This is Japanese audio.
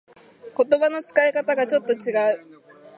言葉の使い方がちょっと違う